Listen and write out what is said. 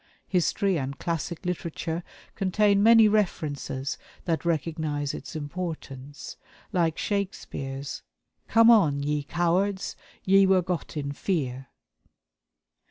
History and classic literature contain many references that recognize its importance, like Shakespeare's 'Come on, ye cowards; ye were got in fear.'